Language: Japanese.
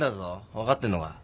分かってんのか？